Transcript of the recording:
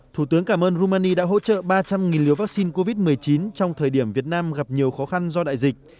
thủ tướng cảm ơn romani đã hỗ trợ ba trăm linh liều vaccine covid một mươi chín trong thời điểm việt nam gặp nhiều khó khăn do đại dịch